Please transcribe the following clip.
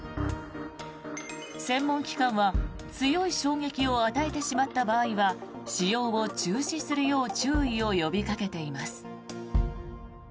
専門機関は強い衝撃を与えてしまった場合は使用を中止するよう注意を呼びかけています。